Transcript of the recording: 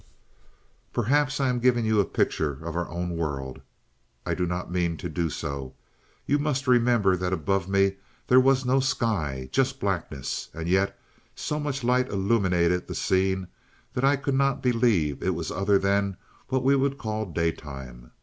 "Perhaps I am giving you a picture of our own world. I do not mean to do so. You must remember that above me there was no sky, just blackness. And yet so much light illuminated the scene that I could not believe it was other than what we would call daytime.